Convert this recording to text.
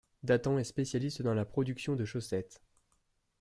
Datang est spécialisée dans la production de chaussettes.